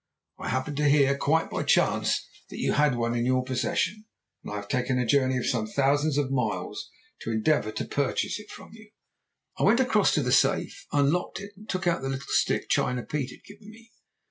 I happened to hear, quite by chance, that you had one in your possession, and I have taken a journey of some thousands of miles to endeavour to purchase it from you.' "I went across to the safe, unlocked it, and took out the little stick China Pete had given me.